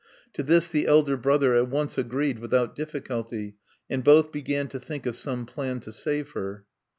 To this the elder brother at once agreed without difficulty; and both began to think of some plan to save her.